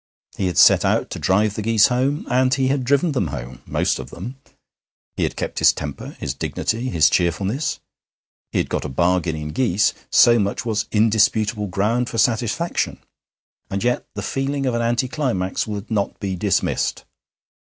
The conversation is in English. He had set out to drive the geese home, and he had driven them home, most of them. He had kept his temper, his dignity, his cheerfulness. He had got a bargain in geese. So much was indisputable ground for satisfaction. And yet the feeling of an anticlimax would not be dismissed.